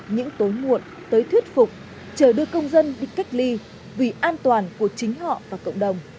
những tối muộn tới thuyết phục chờ đưa công dân đi cách ly vì an toàn của chính họ và cộng đồng